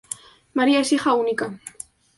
María es hija única.